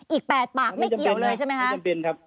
อีก๘ปากไม่เกี่ยวเลยใช่ไหมคะ